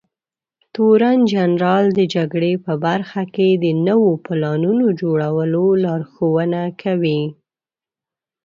تورنجنرال د جګړې په برخه کې د نويو پلانونو جوړولو لارښونه کوي.